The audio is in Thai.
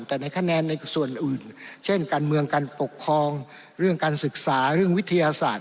แต่ในคะแนนในส่วนอื่นเช่นการเมืองการปกครองเรื่องการศึกษาเรื่องวิทยาศาสตร์